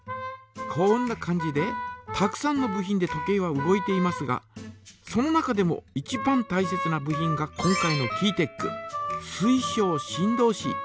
こんな感じでたくさんの部品で時計は動いていますがその中でもいちばんたいせつな部品が今回のキーテック水晶振動子。